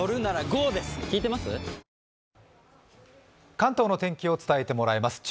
関東の天気を伝えてもらいます。